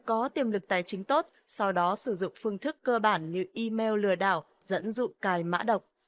có tiềm lực tài chính tốt sau đó sử dụng phương thức cơ bản như email lừa đảo dẫn dụ cài mã độc